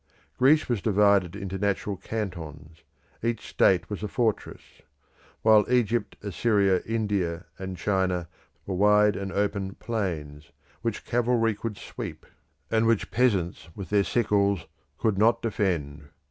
Greece was divided into natural cantons; each state was a fortress; while Egypt, Assyria, India, and China were wide and open plains, which cavalry could sweep, and which peasants with their sickles could not defend.